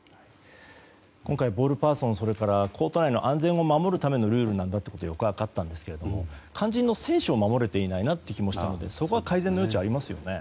今回、ボールパーソンそしてコート内の安全を守るためのルールだということはよく分かりましたが肝心の選手を守れていないなという気がしたのでそこは改善の余地がありますよね。